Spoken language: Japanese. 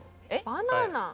バナナ？